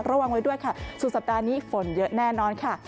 ระวังไว้ด้วยค่ะสุดสัปดาห์นี้ฝนเยอะแน่นอนค่ะ